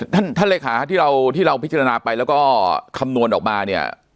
ท่านท่านเลขาที่เราที่เราพิจารณาไปแล้วก็คำนวณออกมาเนี่ย